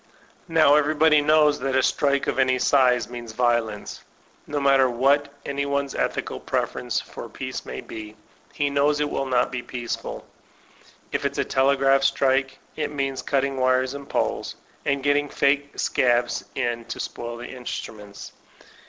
Now everybody knows that a strike of any size means violence. No matter what any one's ethical preference for peace may be, he knows it will not be peaceful. If il*8 a telegraph strike, it means cutting wires and poles, and getting fake scabs in to spoil the instruments.